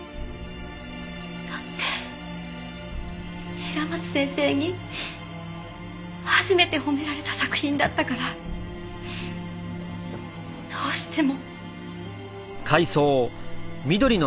だって平松先生に初めて褒められた作品だったからどうしても。